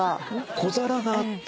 小皿があって？